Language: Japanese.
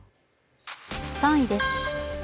３位です。